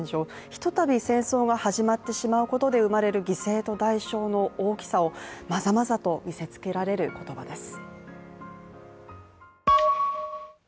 ひとたび、戦争が始まってしまうことで生まれてしまう犠牲と代償の大きさをまざまざと見せつけられる言葉です。